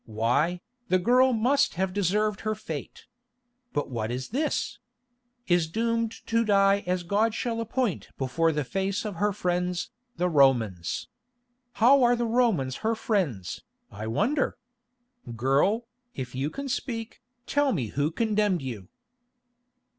Why, the girl must have deserved her fate. But what is this? 'Is doomed to die as God shall appoint before the face of her friends, the Romans.' How are the Romans her friends, I wonder? Girl, if you can speak, tell me who condemned you."